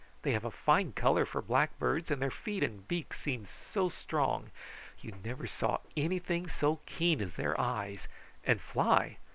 They have a fine color for black birds, and their feet and beaks seem so strong. You never saw anything so keen as their eyes! And fly?